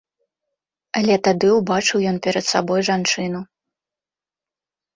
Але тады ўбачыў ён перад сабой жанчыну.